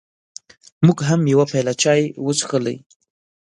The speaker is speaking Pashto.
موږ هم یوه پیاله چای وڅښلې.